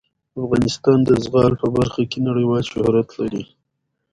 افغانستان د زغال په برخه کې نړیوال شهرت لري.